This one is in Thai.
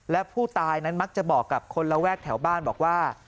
และผู้ตายนั้นมักจะบอกกับคนระแวกแถวบ้านบอกว่า